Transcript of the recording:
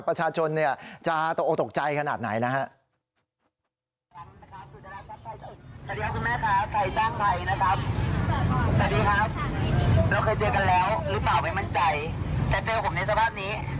ประชาชนจะโตตกใจขนาดไหนนะครับ